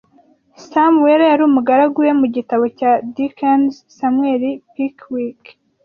Sam Weller yari umugaragu we mu gitabo cya Dickens Samuel Pickwick